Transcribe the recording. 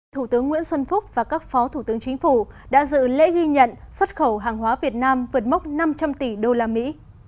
thủ tướng nguyễn xuân phúc và các phó thủ tướng chính phủ đã dự lễ ghi nhận xuất khẩu hàng hóa việt nam vượt mốc năm trăm linh tỷ đô la mỹ